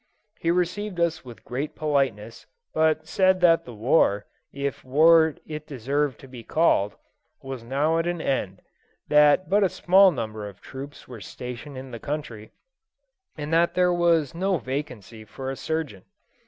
He received us with great politeness, but said that the war, if war it deserved to be called, was now at an end, that but a small number of troops were stationed in the country, and that there was no vacancy for a surgeon.